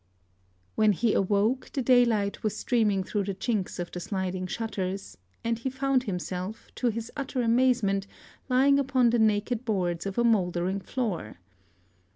When he awoke, the daylight was streaming through the chinks of the sliding shutters; and he found himself, to his utter amazement, lying upon the naked boards of a mouldering floor....